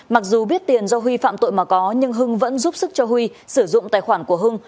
mặc dù biết tiền do huy phạm tội mà có nhưng hưng vẫn giúp sức cho huy sử dụng tài khoản của hưng